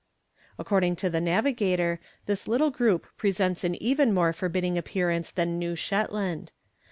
According to the navigator, this little group presents an even more forbidding appearance than New Shetland.